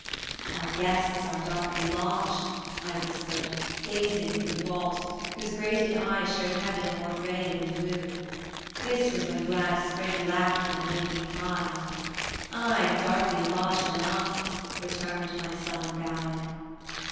"Our guests are darkly lodged," I whisper'd, gazing through The vault, whose grated eye showed heaven more gray than blue; (This was when glad Spring laughed in awaking pride;) "Ay, darkly lodged enough!" returned my sullen guide.